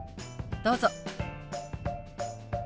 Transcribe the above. どうぞ。